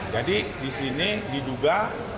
jadi di sini diduga